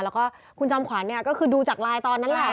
แล้วก็คุณจอมขวัญเนี่ยก็คือดูจากไลน์ตอนนั้นแหละ